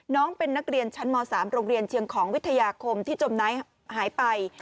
น้องเป็นนักเรียนชั้นม๓โรงเรียนเชียงของวิทยาคมที่จมน้ำหายไป